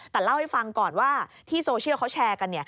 แต่เล่าให้ฟังก่อนว่าที่โซเชียลเขาแชร์กัน